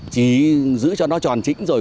thì chỉ giữ cho nó tròn chính rồi